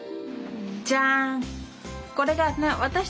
じゃん！